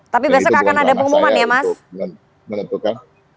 tapi besok akan ada pengumuman ya mas menentukan